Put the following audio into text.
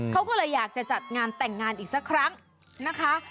เขาก็เลยอยากจะจัดงานแต่งงานอีกสักครั้งนะคะ